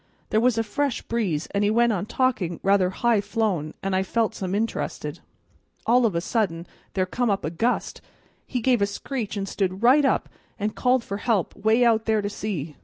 There was a fresh breeze, an' he went on talking rather high flown, an' I felt some interested. All of a sudden there come up a gust, and he gave a screech and stood right up and called for help, 'way out there to sea.